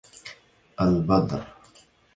البدر